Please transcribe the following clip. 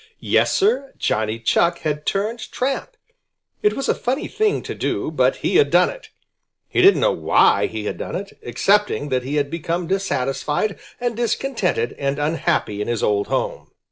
Yes, Sir, Johnny Chuck had turned tramp. It was a funny thing to do, but he had done it. He didn't know why he had done it, excepting that he had become dissatisfied and discontented and unhappy in his old home.